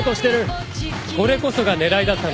これこそが狙いだったのです。